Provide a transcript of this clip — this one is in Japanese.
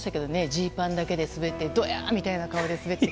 ジーパンだけで滑ってドヤァ！みたいな顔で滑って。